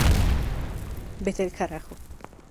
Vete al carajo